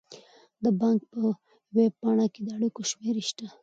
د بانک په ویب پاڼه کې د اړیکو شمیرې شته.